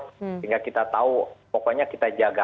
sehingga kita tahu pokoknya kita jaga